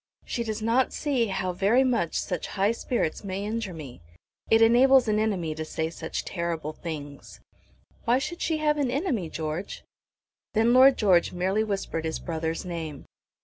"She does not see how very much such high spirits may injure me. It enables an enemy to say such terrible things." "Why should she have an enemy, George?" Then Lord George merely whispered his brother's name.